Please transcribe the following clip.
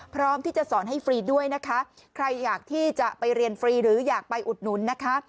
พร้อมที่จะสอนให้ฟรีด้วยนะคะใครอยากที่จะไปเรียนฟรีหรืออยากไปอุดหนุนนะคะ